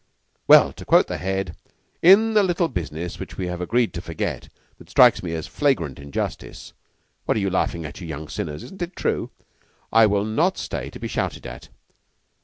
Well, to quote the Head, in a little business which we have agreed to forget, that strikes me as flagrant injustice... What are you laughing at, you young sinners? Isn't it true? I will not stay to be shouted at.